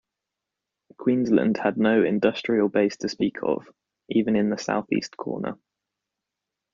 Queensland had no industrial base to speak of, even in the south east corner.